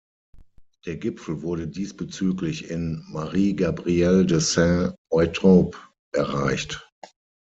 Der Gipfel wurde diesbezüglich in "Marie Gabrielle de Saint-Eutrope" erreicht.